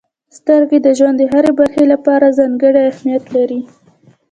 •سترګې د ژوند د هرې برخې لپاره ځانګړې اهمیت لري.